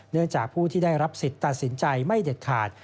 จากผู้ที่ได้รับสิทธิ์ตัดสินใจไม่เด็ดขาด